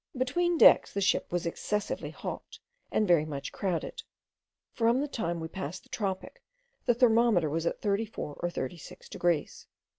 Between decks the ship was excessively hot, and very much crowded. From the time we passed the tropic, the thermometer was at thirty four or thirty six degrees.